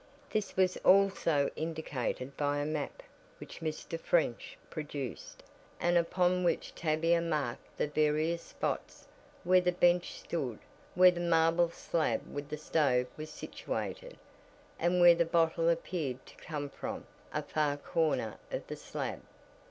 This was also indicated by a map which Mr. French produced, and upon which Tavia marked the various spots where the bench stood, where the marble slab with the stove was situated, and where the bottle appeared to come from a far corner of the slab.